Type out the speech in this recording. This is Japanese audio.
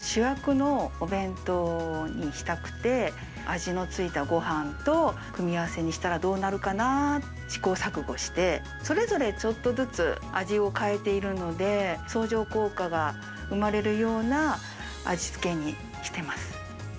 蒸しが主役のお弁当にしたくて、味の付いたごはんと組み合わせにしたらどうなるかな、試行錯誤して、それぞれちょっとずつ味を変えているので、相乗効果が生まれるような味付けにしてます。